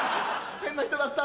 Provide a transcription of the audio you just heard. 変な人だった。